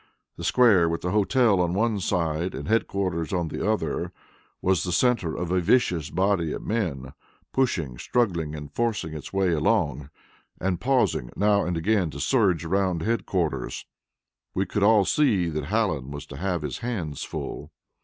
The square, with the hotel on one side and headquarters on the other, was the centre of a vicious body of men, pushing, struggling and forcing its way along, and pausing now and again to surge around headquarters. We could all see that Hallen was to have his hands full.